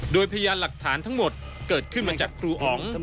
โดยพยานหลักฐานทั้งหมดเกิดขึ้นมาจากครูอ๋อง